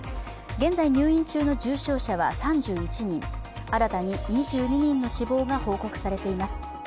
現在入院中の重症者は３１人、新たに２２人の死亡が報告されています。